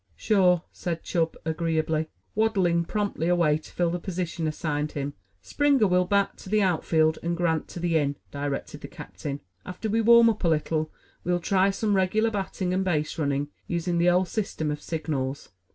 "Sure," said Chub agreeably, waddling promptly away to fill the position assigned him. "Springer will bat to the outfield and Grant to the in," directed the captain. "After we warm up a little, we'll try some regular batting and base running, using the old system of signals."